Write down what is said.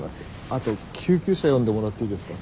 あと救急車呼んでもらっていいですか？